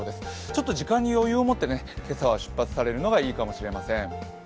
ちょっと時間に余裕を持って今朝は出発されるのがいいかもしれません。